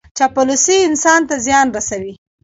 چاپلوسي انسان ته زیان رسوي.